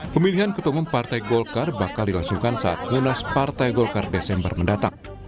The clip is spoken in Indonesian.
pemilihan ketua umum partai golkar bakal dilangsungkan saat munas partai golkar desember mendatang